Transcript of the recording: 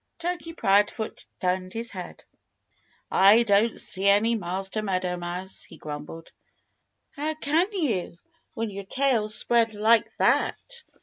Turkey Proudfoot turned his head. "I don't see any Master Meadow Mouse," he grumbled. "How can you, when your tail's spread like that?"